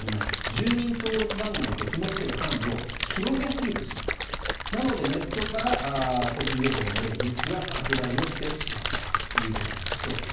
住民登録番号とひも付ける範囲を広げすぎてしまったなので、ネットから個人情報が漏れるリスクが拡大をしてしまったということなんだそうです。